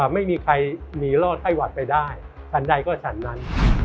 ไม่มีใครหนีรอดไข้หวัดไปได้ฉันใดก็ฉันนั้น